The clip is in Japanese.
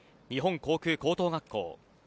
日本航空高等学校。